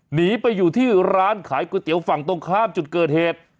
หนีไปอยู่ที่ร้านขายก๋วยเตี๋ยวฝั่งตรงข้ามจุดเกิดเหตุ